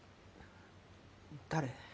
誰？